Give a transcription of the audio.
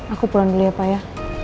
aku pulang beli ya pak ya